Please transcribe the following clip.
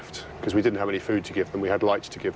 มันจะมีขึ้นกับภูมิอีกยังคงยิ่ง